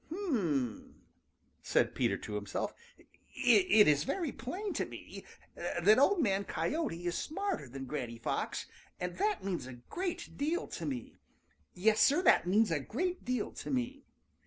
"H m m," said Peter to himself, "it is very plain to me that Old Man Coyote is smarter than Granny Fox, and that means a great deal to me. Y es, Sir, that means a great deal to me.